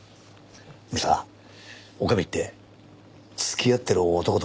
でさ女将って付き合ってる男とかいるのかな？